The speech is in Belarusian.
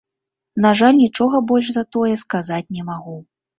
На жаль, нічога больш за тое сказаць не магу.